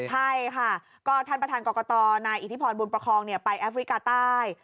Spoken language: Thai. ใช่ค่ะก็ท่านประธานกรกตนายอิทธิพรบุญประคองไปแอฟริกาใต้